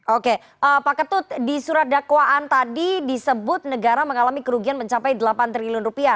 oke pak ketut di surat dakwaan tadi disebut negara mengalami kerugian mencapai delapan triliun rupiah